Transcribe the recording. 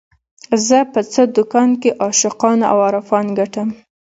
زه په څه دکان کې عاشقان او عارفان ګټم